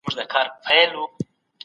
موږ باید د هرې پلمې مخه په کلکه ونیسو.